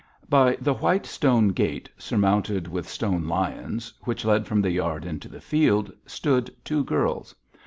By the white stone gate surmounted with stone lions, which led from the yard into the field, stood two girls.